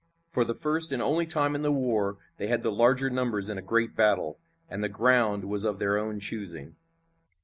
For the first and only time in the war they had the larger numbers in a great battle, and the ground was of their own choosing.